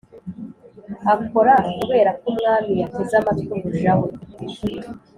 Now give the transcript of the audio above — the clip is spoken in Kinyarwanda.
Akora kubera ko umwami yateze amatwi umuja we